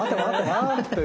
待ってよ。